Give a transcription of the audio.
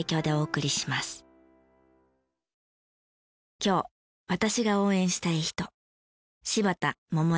今日私が応援したい人。